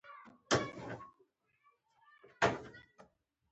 د فقهې تالیفات او کم عمقه تفسیرونه ولیکل شول.